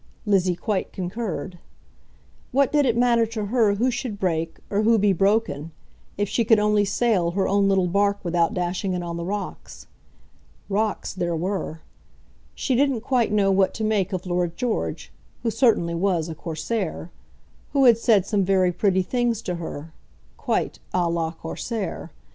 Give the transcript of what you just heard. Lizzie quite concurred. What did it matter to her who should break, or who be broken, if she could only sail her own little bark without dashing it on the rocks? Rocks there were. She didn't quite know what to make of Lord George, who certainly was a Corsair, who had said some very pretty things to her, quite à la Corsair.